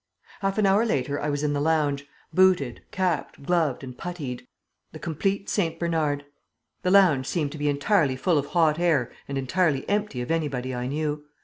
Half an hour later I was in the lounge, booted, capped, gloved, and putteed the complete St. Bernard. The lounge seemed to be entirely full of hot air and entirely empty of anybody I knew.